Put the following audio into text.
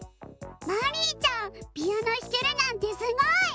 まりいちゃんピアノひけるなんてすごい！